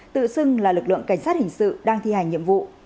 tự xưng là lực lượng cảnh sát hình sự đang thi hành nhiệm vụ